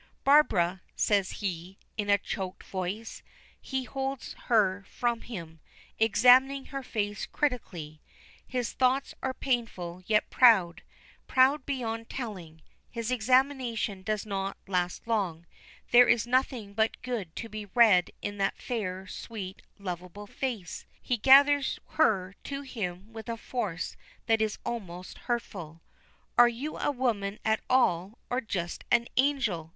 "Barbara," says he, in a choked voice: he holds her from him, examining her face critically. His thoughts are painful, yet proud proud beyond telling. His examination does not last long: there is nothing but good to be read in that fair, sweet, lovable face. He gathers her to him with a force that is almost hurtful. "Are you a woman at all, or just an angel?"